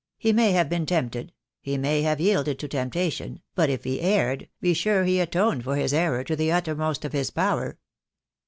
He may have been tempted — he may have yielded to temptation — but if he erred, be sure he atoned for his error to the uttermost of his power."